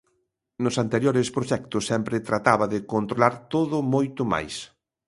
Nos anteriores proxectos sempre trataba de controlar todo moito máis.